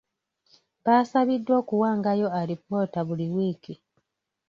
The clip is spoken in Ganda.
Baasabiddwa okuwangayo alipoota buli wiiki.